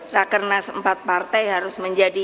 rakernas empat partai harus menjadi